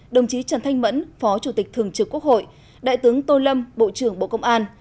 đồng chí trần thanh mẫn phó chủ tịch thường trực quốc hội đại tướng tô lâm bộ trưởng bộ công an